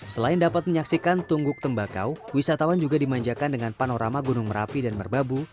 selain dapat menyaksikan tungguk tembakau wisatawan juga dimanjakan dengan panorama gunung merapi dan merbabu